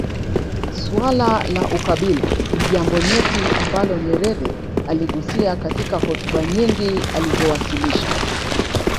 Suala la ukabila ni jambo nyeti ambalo nyerere aligusia katika hotuba nyingi alizowasilisha